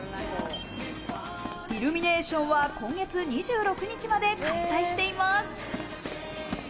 イルミネーションは今月２６日まで開催しています。